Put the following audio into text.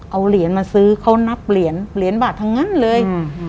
เอาเหรียญมาซื้อเขานับเหรียญเหรียญบาททั้งนั้นเลย